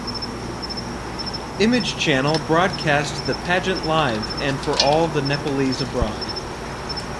Image Channel broadcast the pageant live and for all the Nepalese abroad.